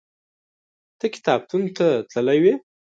ته کتابتون ته تللی وې؟